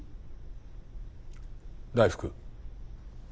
大福。